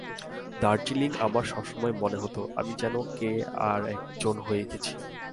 দার্জিলিঙে আমার সবসময় মনে হত, আমি যেন কে আর একজন হয়ে গেছি।